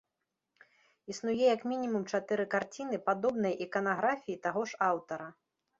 Існуе як мінімум чатыры карціны падобнай іканаграфіі таго ж аўтара.